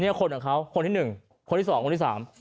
นี่คนของเขาคนที่หนึ่งคนที่สองคนที่สาม